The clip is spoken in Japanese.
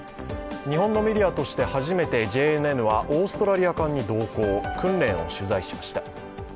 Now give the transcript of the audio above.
日本メディアとして初めてＪＮＮはオーストラリア艦に同行、訓練を取材しました。